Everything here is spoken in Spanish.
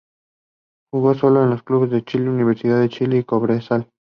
Jugó sólo en dos clubes de Chile, Universidad de Chile y Cobresal.